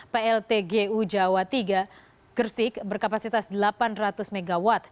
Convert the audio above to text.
pltgu jawa iii gersik berkapasitas delapan ratus mw